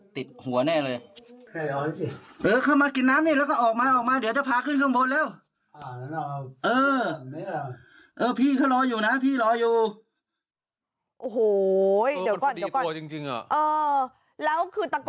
ติดหัวแน่เลยแค่เอาเลยสิเออเข้ามากินน้ำนี่แล้วก็ออกมาออกมา